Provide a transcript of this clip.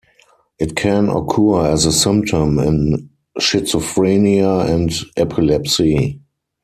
It can occur as a symptom in schizophrenia and epilepsy.